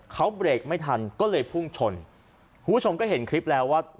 เขาเบรกไม่ทันก็เลยพุ่งชนคุณผู้ชมก็เห็นคลิปแล้วว่า